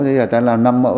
thì ta làm năm mẫu